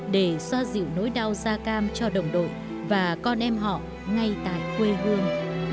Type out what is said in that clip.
để xoa dịu nỗi đau da cam cho đồng đội và con em họ ngay tại quê hương